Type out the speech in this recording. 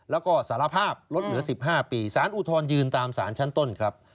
แล้วก็สารภาพลดเหลือ๑๕ปีสารอุทธรณยืนตามสารชั้นต้นครับ